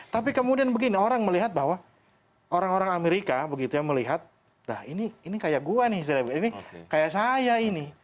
tapi kemudian begini orang melihat bahwa orang orang amerika begitu ya melihat nah ini kayak gue nih kayak saya ini